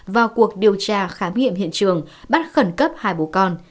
vào cuộc điều tra khám nghiệm hiện trường bắt khẩn cấp hai bố con